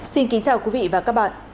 xin kính chào quý vị và các bạn